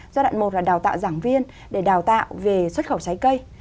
giai đoạn một là đào tạo giảng viên để đào tạo về xuất khẩu trái cây